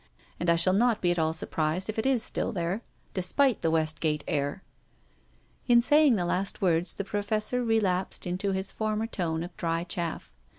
And I shall not be at all surprised if it is still there — despite the Westgate air." In saying the last words the Professor re lapsed into his former tone of dry chaff.